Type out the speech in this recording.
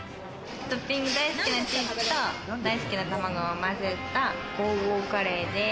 トッピング、大好きなチーズと大好きな卵をまぜたゴーゴーカレーです。